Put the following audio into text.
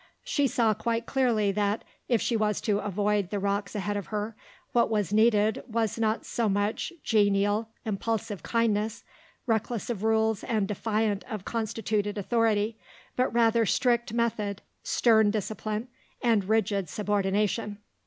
She saw quite clearly that, if she was to avoid the rocks ahead of her, what was needed was not so much genial, impulsive kindness, reckless of rules and defiant of constituted authority, but rather strict method, stern discipline, and rigid subordination.